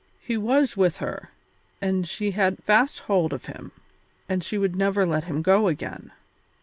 He was with her, and she had fast hold of him, and she would never let him go again.